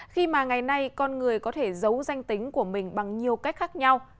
khi mà ngày nay con người có thể giấu danh tính của mình bằng nhiều cách khác nhau